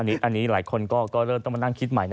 อันนี้หลายคนก็เริ่มต้องมานั่งคิดใหม่